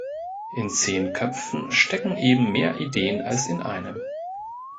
In zehn Köpfen stecken eben mehr Ideen als in einem.